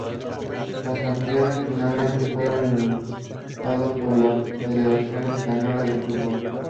Los sancionados finalmente fueron indultados por la Federación Española de Fútbol.